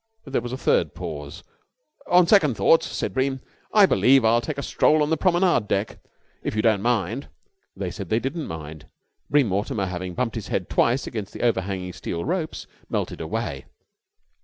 There was a third pause. "On second thoughts," said Bream, "I believe I'll take a stroll on the promenade deck, if you don't mind." They said they did not mind. Bream Mortimer, having bumped his head twice against overhanging steel ropes, melted away.